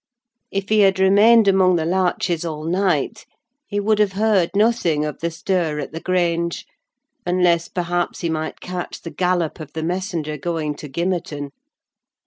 If he had remained among the larches all night, he would have heard nothing of the stir at the Grange; unless, perhaps, he might catch the gallop of the messenger going to Gimmerton.